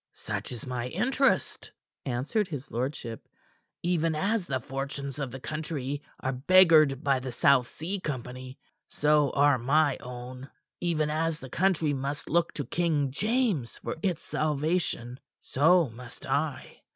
"Such is my interest," answered his lordship. "Even as the fortunes of the country are beggared by the South Sea Company, so are my own; even as the country must look to King James for its salvation, so must I.